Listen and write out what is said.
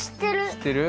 しってる？